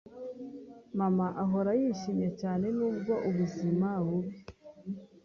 Mama ahora yishimye cyane nubwo ubuzima bubi.